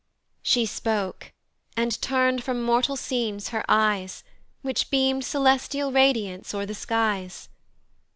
She spoke, and turn'd from mortal scenes her eyes, Which beam'd celestial radiance o'er the skies.